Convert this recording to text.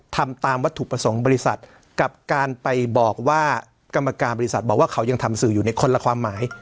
ทำตามวัตถุประสงค์บริษัทกับการไปบอกว่ากรรมการบริษัทบอกว่าเขายังทำสื่ออยู่ในคนละความหมาย